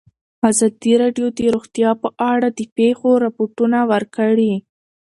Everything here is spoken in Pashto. ازادي راډیو د روغتیا په اړه د پېښو رپوټونه ورکړي.